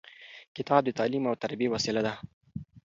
کتاب د تعلیم او تربیې وسیله ده.